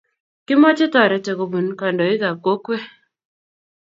kimoche toretet kobunu kandoikab kokwe